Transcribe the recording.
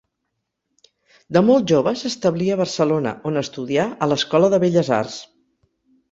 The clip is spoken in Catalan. De molt jove s'establí a Barcelona, on estudià a l'Escola de Belles Arts.